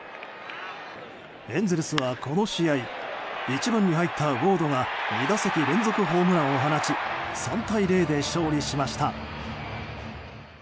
エンゼルスはこの試合１番に入ったウォードが２打席連続ホームランを放ち３対０で勝利しました。